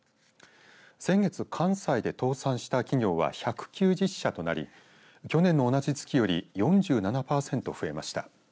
先月、関西で倒産した企業は１９０社となり去年の同じ月より４７パーセント増えました。